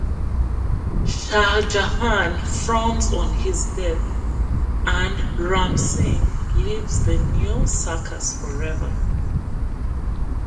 Shahjahan frowns on his death and Ramsingh leaves the new circus forever.